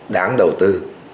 đáng đầu tư